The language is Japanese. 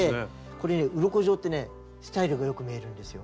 これねうろこ状ってねスタイルがよく見えるんですよ。